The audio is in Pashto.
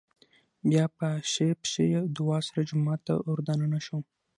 بيا په ښۍ پښې او دعا سره جومات ته ور دننه شو